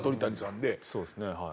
そうですねはい。